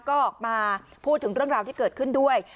ก็ออกมาพูดถึงเรื่องราวที่เกิดขึ้นด้วย